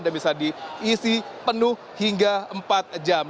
dan bisa diisi penuh hingga empat jam